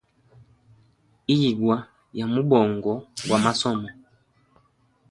Iyigwa ya mubongo gwa masomo.